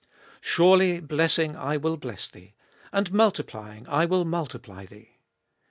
Surely blessing I will bless thee, and multiplying I will multiply thee.